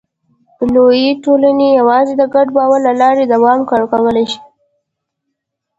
لویې ټولنې یواځې د ګډ باور له لارې دوام کولی شي.